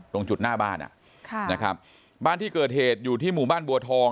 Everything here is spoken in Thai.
ตรงจุดหน้าบ้านบ้านที่เกิดเหตุอยู่ที่หมู่บ้านบัวทอง